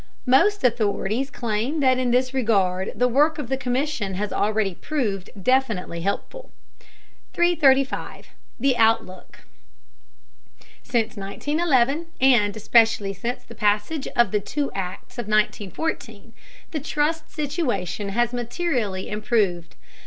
Most authorities claim that in this regard the work of the Commission has already proved definitely helpful. 335. THE OUTLOOK. Since 1911, and especially since the passage of the two Acts of 1914, the trust situation has materially improved.